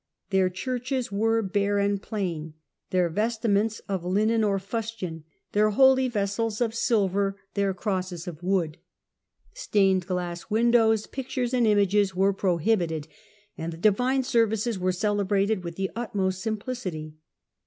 Their churches were bare and plain, their vestments of linen or fustian, their holy vessels of THE TWELFTH CENTURY RENAISSANCE 113 silver, their crosses of wood. Stained glass windows, pictures and images were prohibited, and the divine services were celebrated with the utmost simplicity.